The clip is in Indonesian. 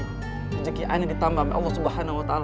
rejeki aneh ditambah oleh allah swt